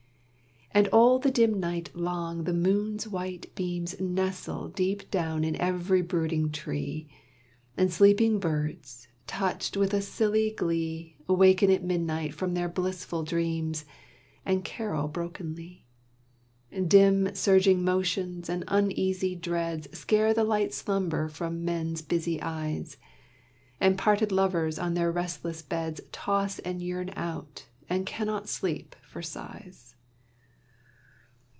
And all the dim night long the moon's white beams Nestle deep down in every brooding tree, And sleeping birds, touched with a silly glee, Waken at midnight from their blissful dreams, And carol brokenly. Dim surging motions and uneasy dreads Scare the light slumber from men's busy eyes, And parted lovers on their restless beds Toss and yearn out, and cannot sleep for sighs.